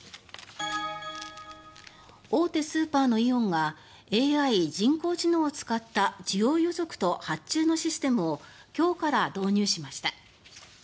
大手スーパーのイオンがＡＩ・人工知能を使った需要予測と発注のシステムを今日から導入しました。